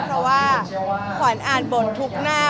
เพราะว่าขวัญอ่านบททุกหน้า